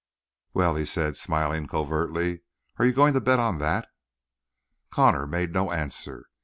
"Well," he said, smiling covertly, "are you going to bet on that?" Connor made no answer.